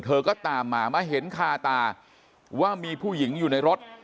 ก็ตามมามาเห็นคาตาว่ามีผู้หญิงอยู่ในรถ